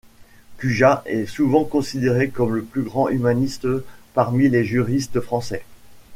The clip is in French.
Cujas est souvent considéré comme le plus grand humaniste parmi les juristes français.